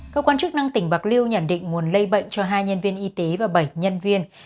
cơ quan chức năng tỉnh bạc liêu nhận định nguồn lây bệnh cho hai nhân viên y tế và bảy nhân viên